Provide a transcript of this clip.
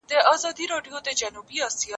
ټولنه طبيعي ضرورت دی.